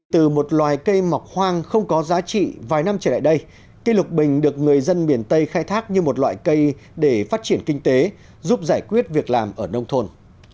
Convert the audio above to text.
từ một loài cây mọc hoang không có giá trị vài năm trở lại đây cây lục bình được người dân miền tây khai thác như một loại cây để phát triển kinh tế giúp giải quyết việc làm ở nông thôn